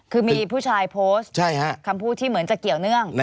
คือมีผู้ชายโพสต์คำพูดที่เหมือนจะเกี่ยวเนื่อง